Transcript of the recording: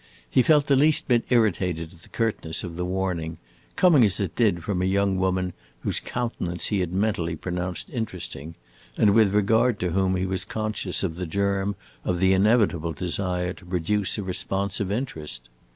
He felt the least bit irritated at the curtness of the warning, coming as it did from a young woman whose countenance he had mentally pronounced interesting, and with regard to whom he was conscious of the germ of the inevitable desire to produce a responsive interest.